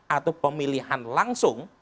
atau pemilihan langsung